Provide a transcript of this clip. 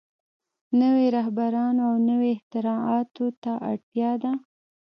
نويو رهبرانو او نويو اختراعاتو ته اړتيا ده.